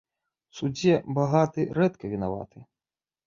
У судзе багаты рэдка вінаваты